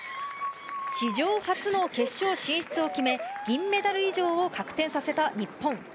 史上初の決勝進出を決め、銀メダル以上を確定させた日本。